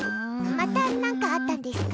また何かあったんですか。